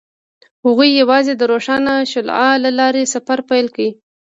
هغوی یوځای د روښانه شعله له لارې سفر پیل کړ.